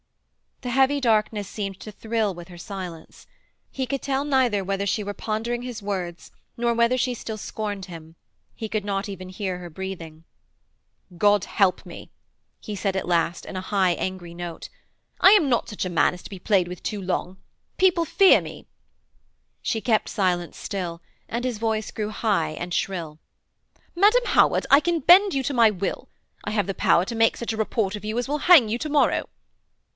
The heavy darkness seemed to thrill with her silence. He could tell neither whether she were pondering his words nor whether she still scorned him. He could not even hear her breathing. 'God help me!' he said at last, in an angry high note, 'I am not such a man as to be played with too long. People fear me.' She kept silence still, and his voice grew high and shrill: 'Madam Howard, I can bend you to my will. I have the power to make such a report of you as will hang you to morrow.'